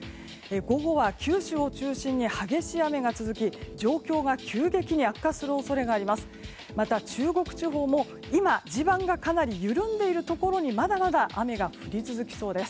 午後は九州を中心に激しい雨が続き状況が急激に悪化する恐れがあります。